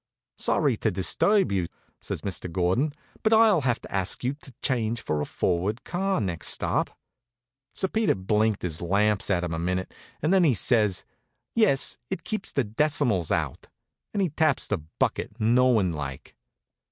"Sorry to disturb you," says Mr. Gordon; "but I'll have to ask you to change to a forward car next stop." Sir Peter blinked his lamps at him a minute, and then he says: "Yes, it keeps the decimals out," and he taps the bucket, knowing like.